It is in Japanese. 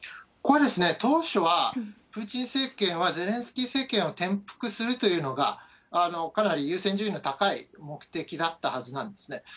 ここは当初は、プーチン政権はゼレンスキー政権を転覆するというのが、かなり優先順位の高い目的だったはずなんですね。